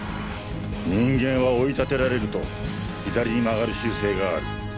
人間は追いたてられると左に曲がる習性がある。